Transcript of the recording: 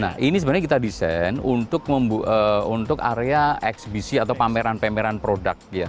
nah ini sebenarnya kita desain untuk area eksbisi atau pameran pameran produk